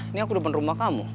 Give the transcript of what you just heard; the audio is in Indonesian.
ini aku depan rumah kamu